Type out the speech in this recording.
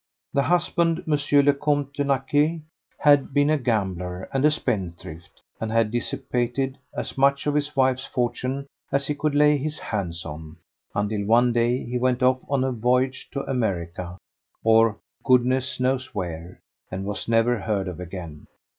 The husband, M. le Compte de Naquet, had been a gambler and a spendthrift, and had dissipated as much of his wife's fortune as he could lay his hands on, until one day he went off on a voyage to America, or goodness knows where, and was never heard of again.